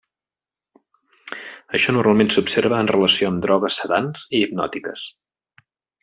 Això normalment s'observa en relació amb drogues sedants i hipnòtiques.